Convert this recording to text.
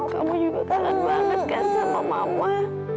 kamu juga kangen banget kan sama mama